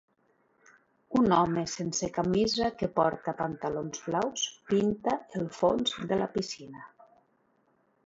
Un home sense camisa que porta pantalons blaus pinta el fons de la piscina.